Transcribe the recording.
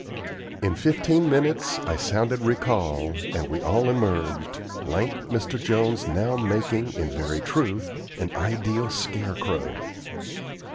In fifteen minutes I sounded recall, and we all emerged, lank Mr. Jones now making, in very truth, an ideal scarecrow.